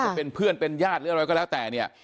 จะเป็นเพื่อนเป็นญาติหรืออะไรก็แล้วแต่เนี่ย